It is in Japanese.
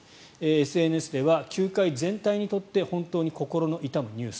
ＳＮＳでは、球界全体にとって本当に心の痛むニュース